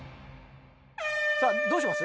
さあどうします？